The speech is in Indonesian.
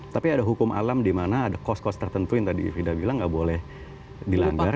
tapi ada hukum alam di mana ada kos kos tertentu yang tadi frida bilang nggak boleh dilanggar